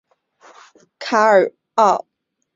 卡奥尔也是法国西南红酒产区当中的重要组成部分。